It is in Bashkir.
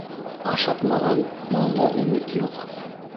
Ашатмаған малда өмөт юҡ.